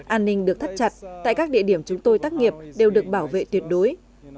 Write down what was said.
an ninh được thắt chặt tại các địa điểm chúng tôi tác nghiệp đều được bảo vệ tuyệt đối